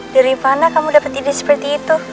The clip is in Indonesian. dari mana kamu dapat ide seperti itu